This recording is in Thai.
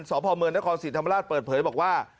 สพเมืองนครศรีธรรมราชเปิดเผยบอกว่า